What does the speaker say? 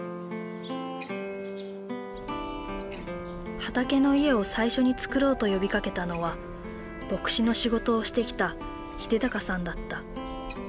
はたけのいえを最初に作ろうと呼びかけたのは牧師の仕事をしてきた英尚さんだった。